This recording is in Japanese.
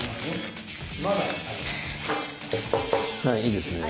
はいいいですね。